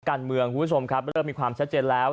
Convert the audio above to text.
คุณผู้ชมครับเริ่มมีความชัดเจนแล้ว